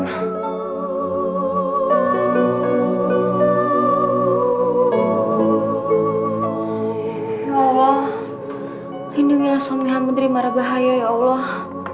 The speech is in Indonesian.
ya allah lindungilah suami hamadri mara bahaya ya allah